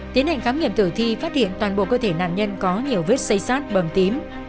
tiến hành khám nghiệm tử thi phát hiện toàn bộ cơ thể nạn nhân có nhiều vết xây sát bầm tím